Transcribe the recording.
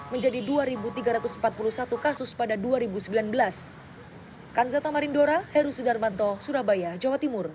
menjadi dua tiga ratus empat puluh satu kasus pada dua ribu sembilan belas